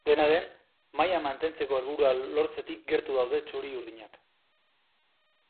Dena den, maila mantentzeko helburua lortzetik gertu daude txuri-urdinak.